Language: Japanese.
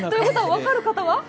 分かる方は？